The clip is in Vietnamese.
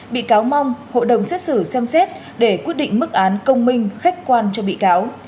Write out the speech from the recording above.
bị cáo mong hội đồng xét xử xem xét để quyết định mức án công minh khách quan cho bị cáo